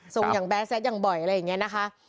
ส่งอย่างแบตอย่างบ่อยอะไรอย่างนี้นะคะ